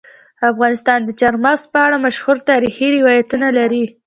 افغانستان د چار مغز په اړه مشهور تاریخی روایتونه لري.